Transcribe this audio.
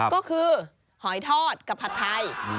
ก็คือหอยทอดกับผัดไทย